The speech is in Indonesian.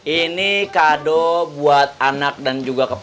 ini kado buat anak dan juga kepon aku